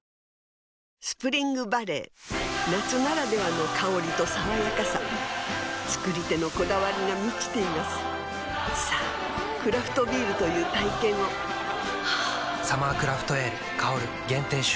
スプリングバレー夏ならではの香りと爽やかさ造り手のこだわりが満ちていますさぁクラフトビールという体験を「サマークラフトエール香」限定出荷